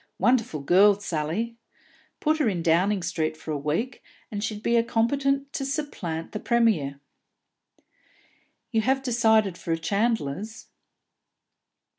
Wonderful girl, Sally! Put her in Downing Street for a week, and she'd be competent to supplant the Premier!" "You have decided for a chandler's?"